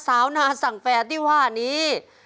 สาวนาสั่งแฝดที่ว่านี้